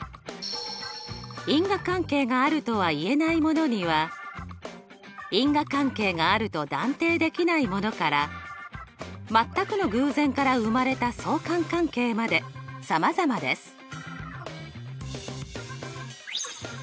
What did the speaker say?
因果関係があるとはいえないものには因果関係があると断定できないものからまったくの偶然から生まれた相関関係までさまざまです。